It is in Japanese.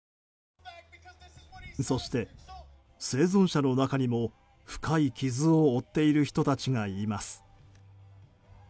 そして生存者の中にも、深い傷を負っている人たちがいます。